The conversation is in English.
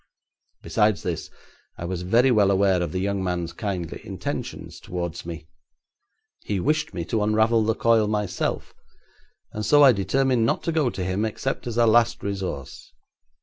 Besides this I was very well aware of the young man's kindly intentions towards me. He wished me to unravel the coil myself, and so I determined not to go to him except as a last resource.